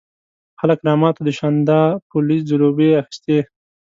خلک رامات وو، د شانداپولي ځلوبۍ یې اخيستې.